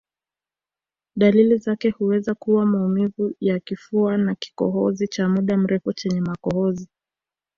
Dalili zake huweza kuwa maumivu ya kifua na kikohozi cha muda mrefu chenye makohozi